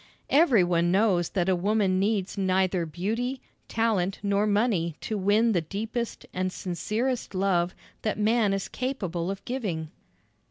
Every one knows that a woman needs neither beauty, talent, nor money to win the deepest and sincerest love that man is capable of giving.